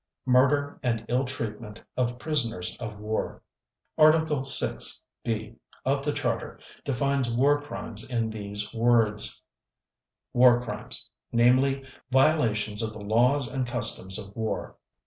Murder and Ill Treatment of Prisoners of War Article 6 (b) of the Charter defines War Crimes in these words: "War Crimes: namely, violations of the laws or customs of war.